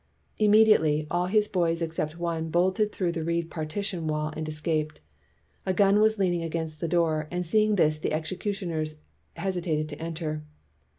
Immediately, all Ms boys except one bolted through the reed partition wall and escaped. A gun was leaning against the door, and seeing this the execu tioners hesitated to enter.